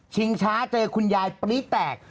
ชิงช้าเจอคุณยายปลี้แตก